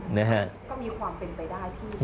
ก็มีความเป็นไปได้ที่ได้กลับ